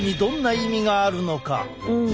うん。